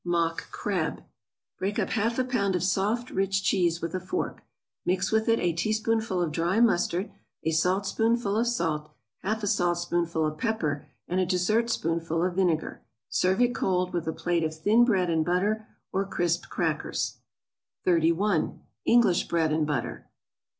=Mock Crab.= Break up half a pound of soft, rich cheese with a fork, mix with it a teaspoonful of dry mustard, a saltspoonful of salt, half a saltspoonful of pepper, and a dessertspoonful of vinegar; serve it cold, with a plate of thin bread and butter, or crisp crackers. 31. =English bread and butter.